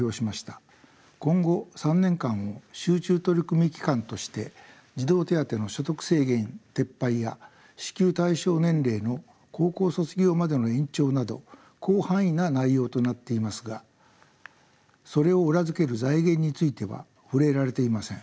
今後３年間を集中取り組み期間として児童手当の所得制限撤廃や支給対象年齢の高校卒業までの延長など広範囲な内容となっていますがそれを裏付ける財源については触れられていません。